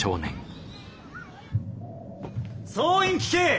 総員聞け！